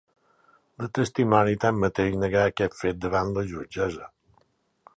La testimoni, tanmateix, negà aquests fets davant la jutgessa.